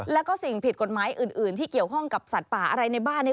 แล้วก็สิ่งผิดกฎหมายอื่นที่เกี่ยวข้องกับสัตว์ป่าอะไรในบ้านเนี่ย